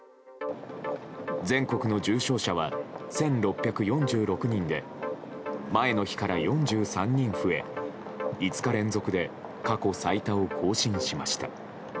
全国の重症者は１６４６人で前の日から４３人増え５日連続で過去最多を更新しました。